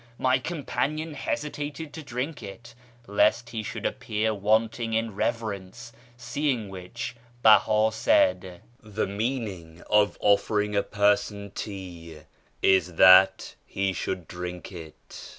My companion hesitated to drink it, lest he should appear wanting in reverence, seeing which Beha said, ' The meaning of offering a person tea is that he should drink it.'